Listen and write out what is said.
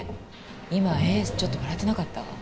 今エースちょっと笑ってなかった？